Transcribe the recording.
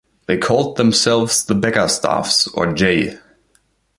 They called themselves the Beggarstaffs, or J.